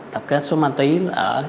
tập kết số ma túy ở